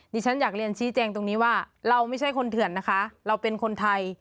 ฉันอยากเรียนชี้แจงตรงนี้ว่าเราไม่ใช่คนเถื่อนนะคะเราเป็นคนไทย